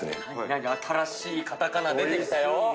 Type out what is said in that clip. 何か新しいカタカナ出てきたよ